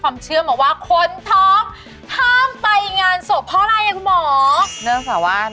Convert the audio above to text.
เราจะเชื่ออะไรตรงไหนดีคะคุณหมอ